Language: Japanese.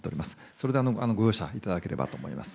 それでご容赦いただければと思います。